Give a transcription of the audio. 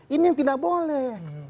ini yang tidak boleh